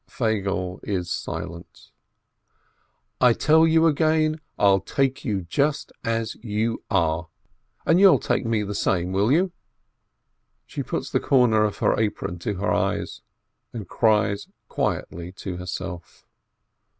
Feigele is silent. "I tell you again, I'll take you just as you are — and you'll take me the same, will you ?" She puts the corner of her apron to her eyes, and cries quietly to herself.